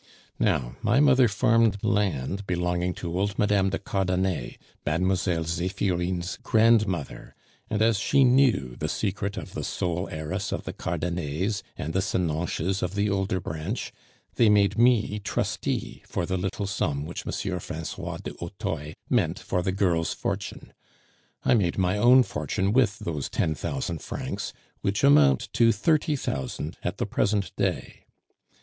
Now, my mother farmed land belonging to old Mme. de Cardanet, Mlle. Zephirine's grandmother; and as she knew the secret of the sole heiress of the Cardanets and the Senonches of the older branch, they made me trustee for the little sum which M. Francois du Hautoy meant for the girl's fortune. I made my own fortune with those ten thousand francs, which amount to thirty thousand at the present day.